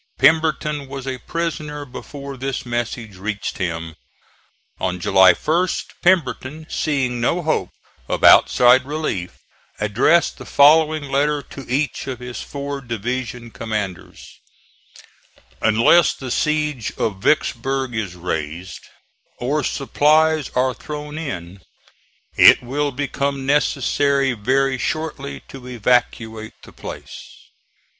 Pemberton was a prisoner before this message reached him. On July 1st Pemberton, seeing no hope of outside relief, addressed the following letter to each of his four division commanders: "Unless the siege of Vicksburg is raised, or supplies are thrown in, it will become necessary very shortly to evacuate the place.